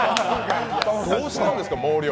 どうしたんですか、毛量。